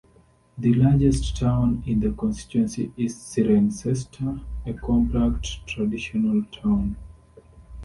The largest town in the constituency is Cirencester, a compact traditional town.